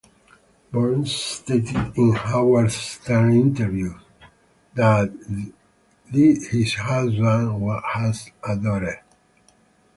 Burns stated in a Howard Stern interview that his husband has a daughter.